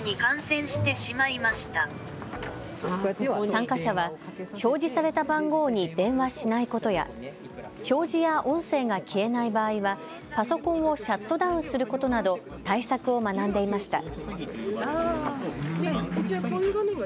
参加者は表示された番号に電話しないことや表示や音声が消えない場合はパソコンをシャットダウンすることなど対策を学んでいました。